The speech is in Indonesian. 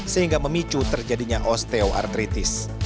sehingga memicu terjadinya osteoartritis